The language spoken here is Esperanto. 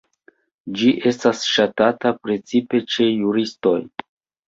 Ĝi estas ŝatata precipe ĉe juristoj.